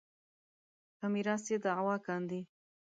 په میراث یې دعوې کاندي.